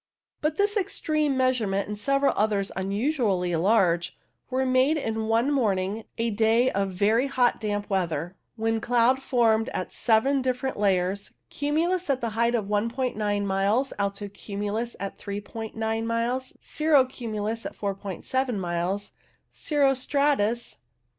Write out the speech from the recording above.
But this extreme measurement, and several others unusually large, were made in one morning, a day of very hot damp weather, when cloud formed at seven different levels : cumulus at a height of i "9 miles, alto cumulus at 3*9 miles, cirro cumulus at 47 miles, cirro stratus (No.